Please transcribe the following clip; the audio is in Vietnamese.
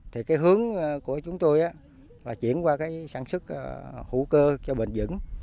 thì cái hướng của chúng tôi á là chuyển qua cái sản xuất hữu cơ cho bình dẫn